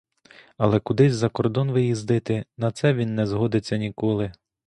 Але кудись за кордон виїздити — на це він не згодиться ніколи!